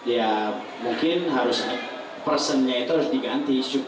ya mungkin harus personnya itu harus diganti